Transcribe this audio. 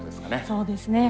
そうですね。